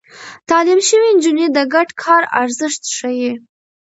تعليم شوې نجونې د ګډ کار ارزښت ښيي.